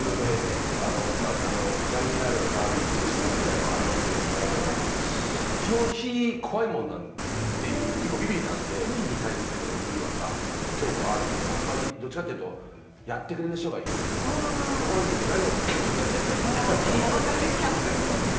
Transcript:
ロケとかで都会にあるバーベキュー施設みたいなのはありますけれど、基本、火は怖いものだというビビリなので、火に対する恐怖があるので、どちらかというと、やってくれる人がいるところに大門さんと同じ状態ですね、身ひとつで。